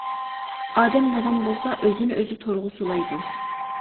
ئادەم نادان بولسا ئۆزىنى ئۆزى تورغا سۇلايدۇ.